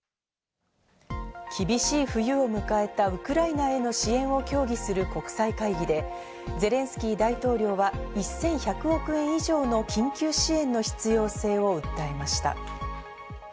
厳しい冬を迎えたウクライナへの支援を協議する国際会議で、ゼレンスキー大統領は１１００億円以上の緊急支援の必要性を訴えました。